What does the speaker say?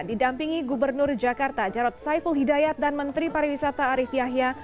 didampingi gubernur jakarta jarod saiful hidayat dan menteri pariwisata arief yahya